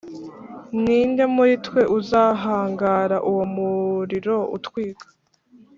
«Ni nde muri twe uzahangara uwo muriro utwika?